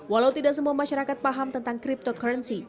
walau tidak semua masyarakat paham tentang cryptocurrency